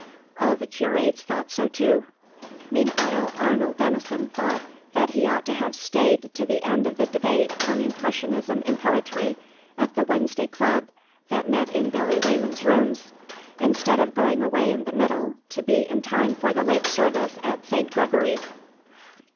All the curates thought so too. Meanwhile Arnold Denison thought that he ought to have stayed to the end of the debate on Impressionism in Poetry at the Wednesday Club that met in Billy Raymond's rooms, instead of going away in the middle to be in time for the late service at St. Gregory's.